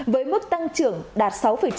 với mức tăng trưởng đạt